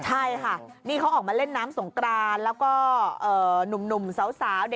ใช่ค่ะนี่เขาออกมาเล่นน้ำสงกรานแล้วก็หนุ่มสาว